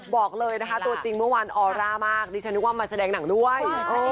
บอกเลยนะคะตัวจริงเมื่อวานออร่ามากดิฉันนึกว่ามาแสดงหนังด้วย